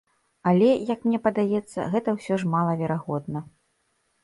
Але, як мне падаецца, гэта ўсё ж мала верагодна.